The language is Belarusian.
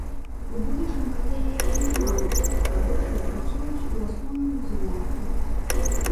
У будучым гатэлі яшчэ няма вокнаў, рабочыя працуюць у асноўным звонку.